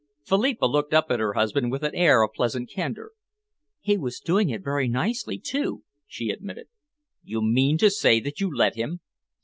Philippa looked up at her husband with an air of pleasant candour. "He was doing it very nicely, too," she admitted. "You mean to say that you let him?"